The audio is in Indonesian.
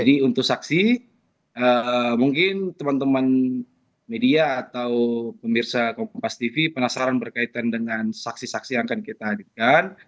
jadi untuk saksi mungkin teman teman media atau pemirsa kompastv penasaran berkaitan dengan saksi saksi yang akan kita hadirkan